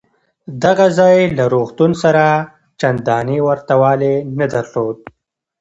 دغه ځای له روغتون سره چندانې ورته والی نه درلود.